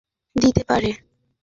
ওরা মেস বন্ধ করে দিতে পারে।